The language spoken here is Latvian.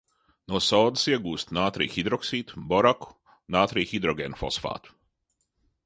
No sodas iegūst nātrija hidroksīdu, boraku, nātrija hidrogēnfosfātu.